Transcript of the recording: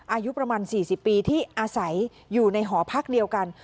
อายุประมาณ๔๐ปีที่อาศัยอยู่ในหอพักเดียวกัน